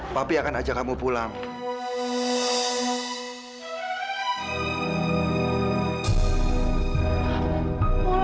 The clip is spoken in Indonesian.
papa akan ajak kamu pulang